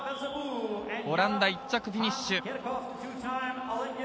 オランダ、１着フィニッシュ。